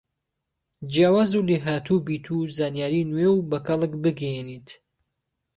جیاواز و لێهاتووبیت و زانیاری نوێ و بە کەڵک بگەیەنیت